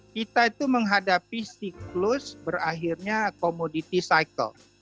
kita itu menghadapi siklus berakhirnya komoditi cycle